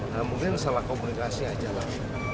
nah mungkin salah komunikasi aja lah